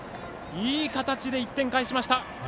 いい形で１点返しました！